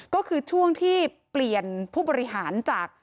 ก็คือช่วงที่เปลี่ยนผู้บริหารจาก